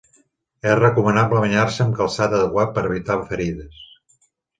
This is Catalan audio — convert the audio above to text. És recomanable banyar-se amb calçat adequat per evitar ferides.